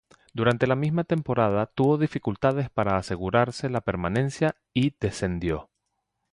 Durante la misma temporada tuvo dificultades para asegurarse la permanencia y descendió.